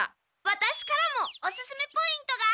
ワタシからもおすすめポイントが！